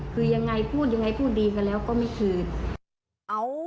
คือยังไงพูดยังไงพูดดีกันแล้วก็ไม่คืน